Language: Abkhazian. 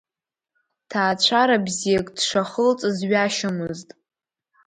Ҭаацәара бзиак дшахылҵыз ҩашьомызт.